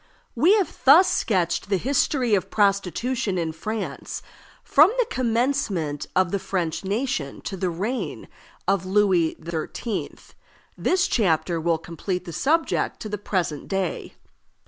We have thus sketched the history of prostitution in France from the commencement of the French nation to the reign of Louis XIII. This chapter will complete the subject to the present day.